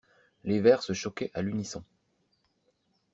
Leurs verres se choquaient à l'unisson.